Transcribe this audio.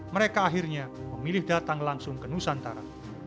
mereka akhirnya memilih datang langsung ke nusantara